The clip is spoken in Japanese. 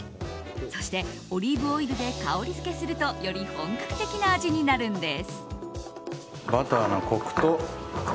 そして、オリーブオイルで香りづけするとより本格的な味になるんです。